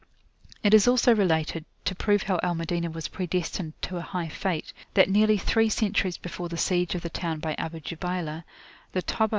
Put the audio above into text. It is also related, to prove how Al Madinah was predestined to a high fate, that nearly three centuries before the siege of the town by Abu Jubaylah, the Tobba [p.